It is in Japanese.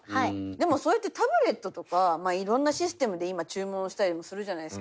でもそうやってタブレットとか色んなシステムで今注文したりもするじゃないですか。